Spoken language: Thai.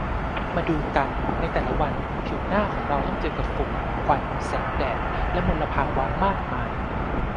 มาดูกัน ในแต่ละวันผิวหน้าของเราต้องเจอกับฝุ่น ควัน แสงแดด และมลภาวะมากมาย